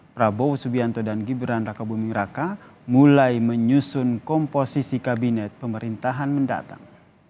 prabowo subianto dan gibran raka buming raka mulai menyusun komposisi kabinet pemerintahan mendatang